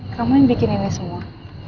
kamu yang bikin ini semua